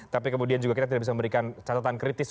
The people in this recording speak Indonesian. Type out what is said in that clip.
tapi kemudian juga kita tidak bisa memberikan catatan kritis